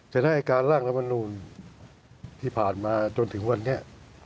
แสดงให้การร่างรัฐธรรมนูญที่ผ่านมาจนถึงวันนี้